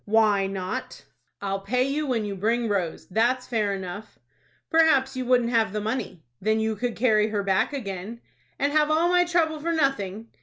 "Why not?" "I'll pay you when you bring Rose. That's fair enough." "Perhaps you wouldn't have the money." "Then you could carry her back again." "And have all my trouble for nothing!"